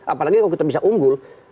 apalagi kalau kita bisa unggul